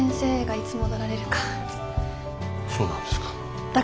そうなんですか。